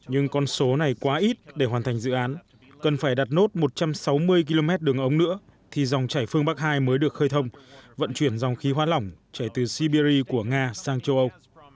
nhưng con số này quá ít để hoàn thành dự án cần phải đặt nốt một trăm sáu mươi km đường ống nữa thì dòng chảy phương bắc hai mới được khơi thông vận chuyển dòng khí hoa lỏng chảy từ siberia của nga sang châu âu